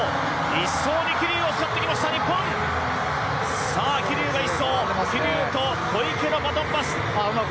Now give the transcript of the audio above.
１走に桐生を使ってきました日本桐生と小池のバトンパス。